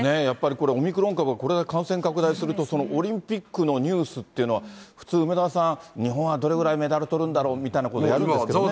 やっぱりこれ、オミクロン株がこれだけ感染拡大すると、オリンピックのニュースっていうのは普通、梅沢さん、日本はどれぐらいメダルとるんだろうみたいなことをやるんですよ